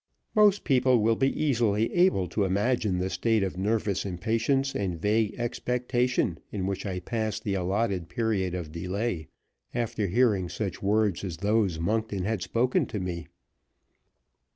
Most people will be easily able to imagine the state of nervous impatience and vague expectation in which I passed the allotted period of delay, after hearing such words as those Monkton had spoken to me.